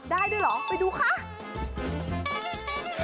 ได้ด้วยเหรอไปดูค่ะ